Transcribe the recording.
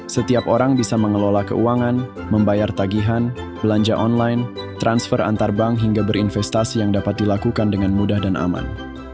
setiap orang bisa mengelola keuangan membayar tagihan belanja online transfer antar bank hingga berinvestasi yang dapat dilakukan dengan mudah dan aman